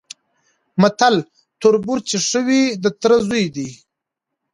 متل: تربور چي ښه وي د تره زوی دی؛